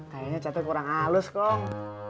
kayaknya catnya kurang halus kong